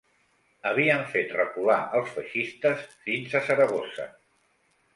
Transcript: Havien fet recular els feixistes fins a Saragossa